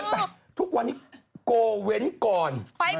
ไปทุกวันนี้โกเว้นก่อน